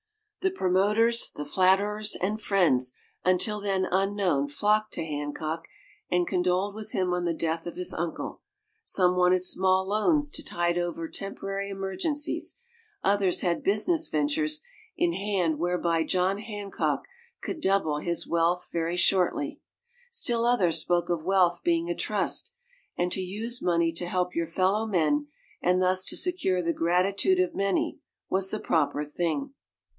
The promoters, the flatterers and friends until then unknown flocked to Hancock and condoled with him on the death of his uncle. Some wanted small loans to tide over temporary emergencies, others had business ventures in hand whereby John Hancock could double his wealth very shortly. Still others spoke of wealth being a trust, and to use money to help your fellow men, and thus to secure the gratitude of many, was the proper thing.